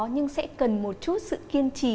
nhưng sẽ cần một chút sự kiên trì